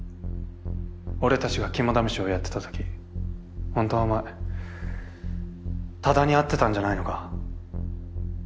俺たちが肝試しをやってたときほんとはお前多田に会ってたんじゃないのか？